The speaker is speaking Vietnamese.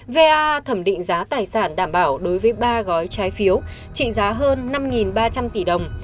va thẩm định giá tài sản đảm bảo đối với ba gói trái phiếu trị giá hơn năm ba trăm linh tỷ đồng